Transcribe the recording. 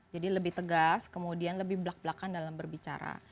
jadi lebih tegas kemudian lebih belak belakan dalam berbicara